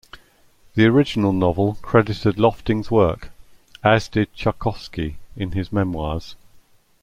The original novel credited Lofting's work, as did Chukovsky in his memoirs.